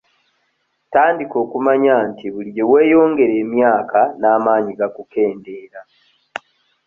Tandika okumanya nti buli gye weeyongera emyaka n'amaanyi gakukendeera.